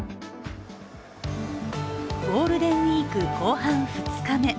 ゴールデンウイーク後半２日目。